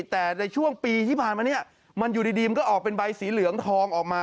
แต่ในช่วงปีที่ผ่านมาเนี่ยมันอยู่ดีมันก็ออกเป็นใบสีเหลืองทองออกมา